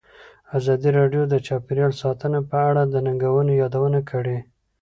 ازادي راډیو د چاپیریال ساتنه په اړه د ننګونو یادونه کړې.